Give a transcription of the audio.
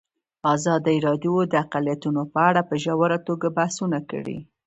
ازادي راډیو د اقلیتونه په اړه په ژوره توګه بحثونه کړي.